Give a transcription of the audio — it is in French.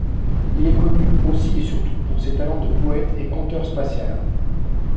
Il est connu, aussi et surtout, pour ses talents de poète et conteur spatial.